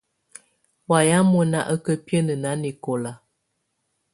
Wayɛ̀á mɔ̀ná á kà biǝ́nǝ́ nanɛkɔ̀la.